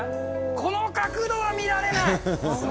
この角度は見られない。